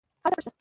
هله پټ شه.